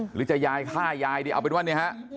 หรือจะยายฆ่ายายนี่เอาเป็นว่าเนี่ยฮะ